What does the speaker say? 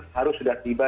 harus sudah tiba